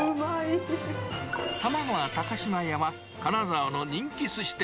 玉川高島屋は、金沢の人気すし店。